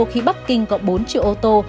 khi bắc kinh có bốn triệu ô tô